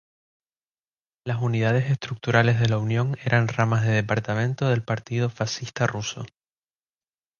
Las unidades estructurales de la Unión eran ramas del Departamento del Partido Fascista Ruso.